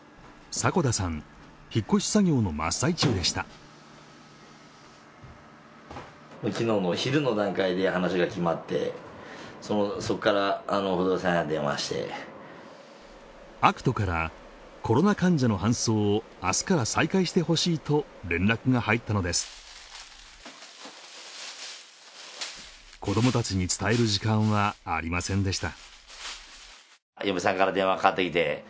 迫田さん引っ越し作業の真っ最中でしたアクトからコロナ患者の搬送をあすから再開してほしいと連絡が入ったのです子どもたちに伝える時間はありませんでした